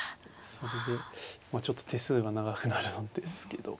それでまあちょっと手数が長くなるんですけど。